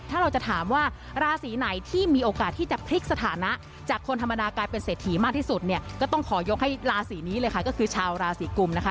ถ้าเราจะถามว่าราศีไหนที่มีโอกาสที่จะพลิกสถานะจากคนธรรมดากลายเป็นเศรษฐีมากที่สุดเนี่ยก็ต้องขอยกให้ราศีนี้เลยค่ะก็คือชาวราศีกุมนะคะ